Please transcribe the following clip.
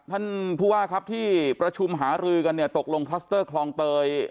ท่านผู้ว่าครับที่ประชุมหารือกันเนี่ยตกลงคลัสเตอร์คลองเตย